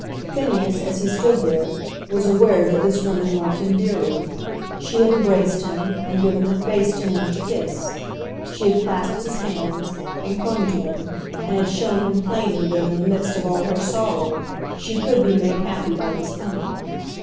Phineas, as he stood there, was aware that this woman loved him dearly. She had embraced him, and given her face to him to kiss. She had clasped his hands, and clung to him, and had shown him plainly that in the midst of all her sorrow she could be made happy by his coming.